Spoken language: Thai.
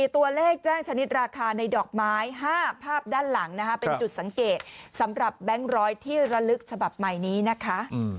ตัวเลขแจ้งชนิดราคาในดอกไม้๕ภาพด้านหลังเป็นจุดสังเกตสำหรับแบงค์ร้อยที่ระลึกฉบับใหม่นี้นะคะ